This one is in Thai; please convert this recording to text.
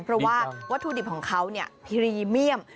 เพราะว่าวัตถุดิบของเขาพรีเมียม